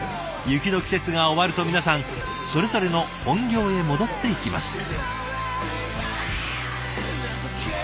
雪の季節が終わると皆さんそれぞれの本業へ戻っていきます。